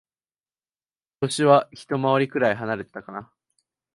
歳はひと回りくらい離れてたかな。